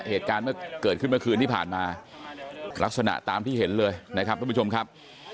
เหตุการณ์เมื่อเกิดขึ้นเมื่อคืนที่ผ่านมาลักษณะตามที่เห็นเลยนะครับทุกผู้ชมครับ